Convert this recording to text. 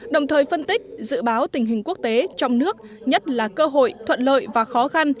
đồng thời phân tích dự báo tình hình quốc tế trong nước nhất là cơ hội thuận lợi và khó khăn